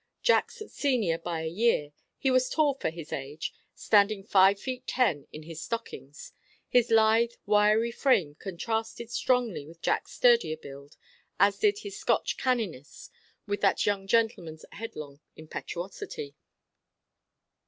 Jack's senior by a year, he was tall for his age, standing five feet ten in his stockings. His lithe, wiry frame contrasted strongly with Jack's sturdier build, as did his Scotch "canniness" with that young gentleman's headlong impetuosity.